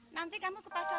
nanti kamu ke pasar duluan ya